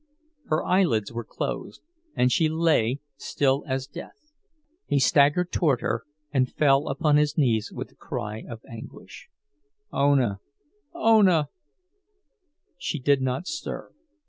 Her eyelids were closed, and she lay still as death. He staggered toward her and fell upon his knees with a cry of anguish: "Ona! Ona!" She did not stir.